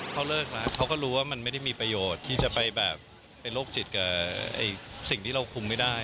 เขาเลิกแล้วเขาก็รู้ว่ามันไม่ได้มีประโยชน์ที่จะไปแบบเป็นโรคจิตกับสิ่งที่เราคุมไม่ได้